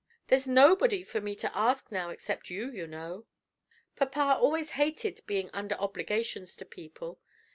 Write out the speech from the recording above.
"There's nobody for me to ask now except you, you know. Papa always hated 'being under obligations' to people.